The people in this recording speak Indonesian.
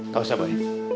gak usah boy